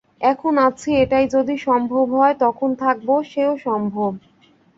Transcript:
এখন আছি এটাই যদি সম্ভব হয়, তখন থাকব সেও সম্ভব।